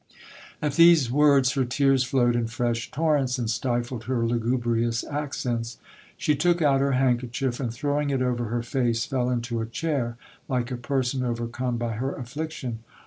At these words her tears flowed in fresh torrents, and stifled her lugubrious accents. She took out her handkerchief, and throwing it over her face, fell into a chair, like a person overcome by her affliction.